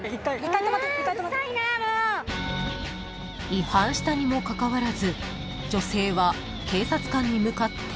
［違反したにもかかわらず女性は警察官に向かって］